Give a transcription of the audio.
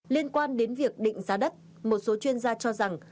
liên quan đến việc định giá đất một số chuyên gia cho rằng